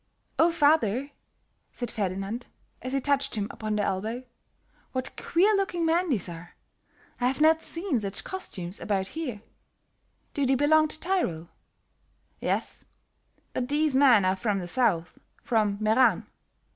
"Oh, father," said Ferdinand, as he touched him upon the elbow, "what queer looking men these are! I have not seen such costumes about here. Do they belong to Tyrol?" "Yes, but these men are from the south, from Meran.